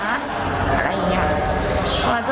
อะไรอย่างเงี้ย